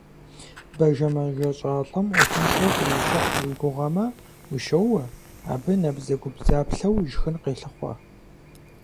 Бажэ мэжэщӏалӏэм ӏуэхуншэу къыущыхь уи гугъэмэ, ущоуэ, абы набдзэгубдзаплъэу ишхын къелъыхъуэ.